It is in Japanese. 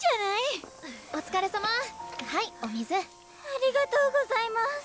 ありがとうございます。